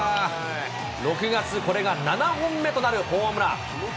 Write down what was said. ６月、これが７本目となるホームラン。